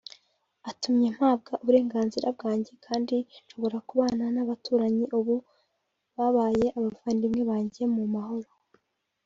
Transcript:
Atumye mpabwa uburenganzira bwanjye kandi nshobora kubana n’abaturanyi ubu babaye abavandimwe banjye mu mahoro”